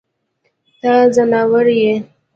ته ځناور يې.